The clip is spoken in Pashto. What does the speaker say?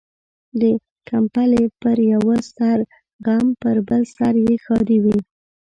د کمبلي پر يوه سر غم ، پر بل سر يې ښادي وي.